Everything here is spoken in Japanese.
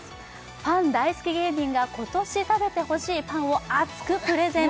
パン大好き芸人が今年食べてほしいパンを熱くプレゼン！